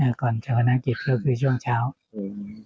อ่าก่อนเช้าพนักกิจก็คือช่วงเช้าอืม